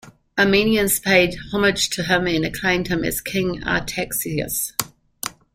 Armenians paid homage to him and acclaimed him as King Artaxias.